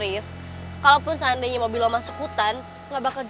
ya gak mungkin lah gak masuk akal